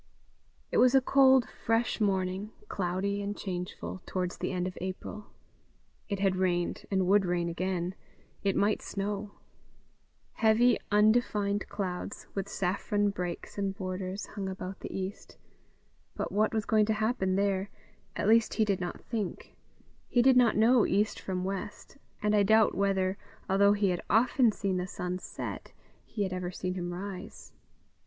It was a cold, fresh morning, cloudy and changeful, towards the end of April. It had rained, and would rain again; it might snow. Heavy undefined clouds, with saffron breaks and borders, hung about the east, but what was going to happen there at least he did not think; he did not know east from west, and I doubt whether, although he had often seen the sun set, he had ever seen him rise.